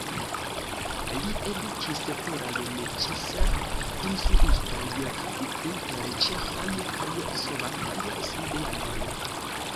Li edukis plurajn Cseh-instruistojn inter ĉeĥaj kaj slovakaj samideanoj.